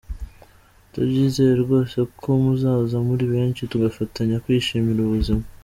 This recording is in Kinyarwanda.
Ndabyizeye rwose ko muzaza muri benshi tugafatanya kwishimira ubuzima.